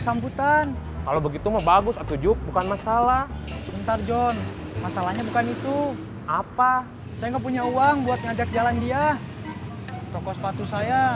sampai jumpa di video selanjutnya